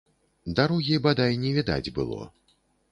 Дарогі бадай не відаць было.